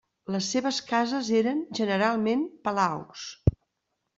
Les seves cases eren generalment palaus.